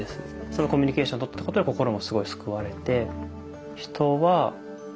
そのコミュニケーションとったことで心もすごい救われて。